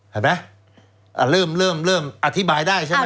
เห็นไหมเริ่มเริ่มอธิบายได้ใช่ไหม